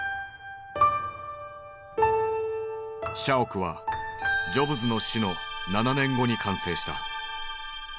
社屋はジョブズの死の７年後に完成した。